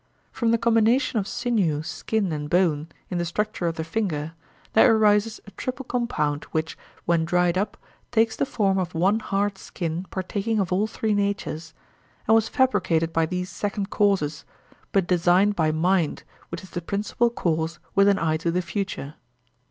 From the combination of sinew, skin, and bone, in the structure of the finger, there arises a triple compound, which, when dried up, takes the form of one hard skin partaking of all three natures, and was fabricated by these second causes, but designed by mind which is the principal cause with an eye to the future.